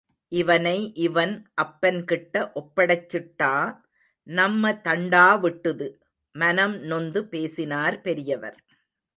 இவனை இவன் அப்பன்கிட்ட ஒப்படைச்சுட்டா, நம்ம தண்டா விட்டுது!... மனம் நொந்து பேசினார் பெரியவர்.